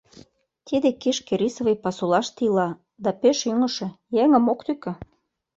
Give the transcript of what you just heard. Тиде кишке рисовый пасулаште ила да пеш ӱҥышӧ, еҥым ок тӱкӧ.